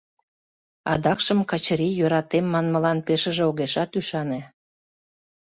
Адакшым Качырий йӧратем манмылан пешыже огешат ӱшане.